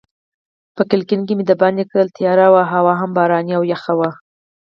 په کړکۍ کې مې دباندې کتل، تیاره وه هوا هم باراني او یخه وه.